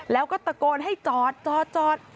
แล้วก็ตะโกนให้จอดจอด